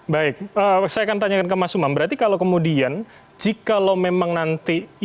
baik saya akan tanyakan ke mas umam berarti kalau kemudian jika lo memang nanti